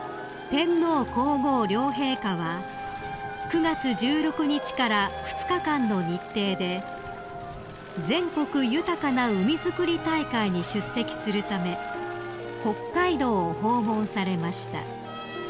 ［天皇皇后両陛下は９月１６日から２日間の日程で全国豊かな海づくり大会に出席するため北海道を訪問されました］